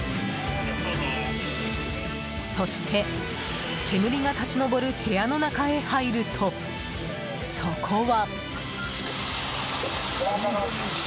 そして、煙が立ち上る部屋の中へ入ると、そこは。